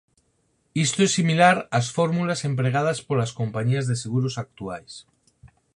Isto é similar ás fórmulas empregadas polas compañías de seguros actuais.